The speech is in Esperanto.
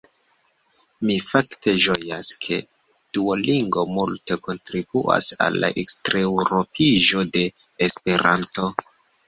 Mi fakte ĝojas, ke Duolingo multe kontribuas al la ekstereŭropiĝo de Esperanto.